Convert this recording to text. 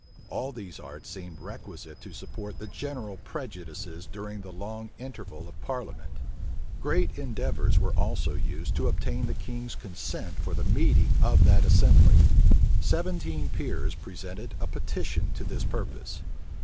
All these arts seemed requisite to support the general prejudices during the long interval of parliament. Great endeavors were also used to obtain the king's consent for the meeting of that assembly. {1680.} Seventeen peers presented a petition to this purpose.